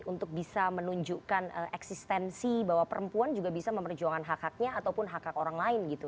untuk bisa menunjukkan eksistensi bahwa perempuan juga bisa memperjuangkan hak haknya ataupun hak hak orang lain gitu